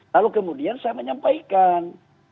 lalu kemudian saya menyampaikan